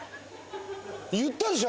言ったでしょ？